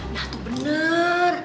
nah tuh bener